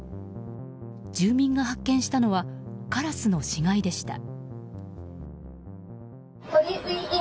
住民が発見したのはカラスの死骸でした。